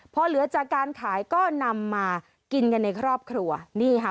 พอเหลือจากการขายก็นำมากินกันในครอบครัวนี่ค่ะ